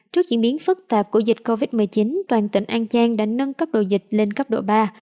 trước diễn biến phức tạp của dịch covid một mươi chín toàn tỉnh an giang đã nâng cấp độ dịch lên cấp độ ba